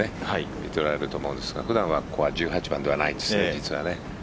見ておられると思うんですがここは実は１８番ではないんですね。